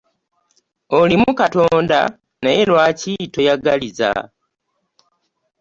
Olimu Katonda naye lwaki toyagaliza?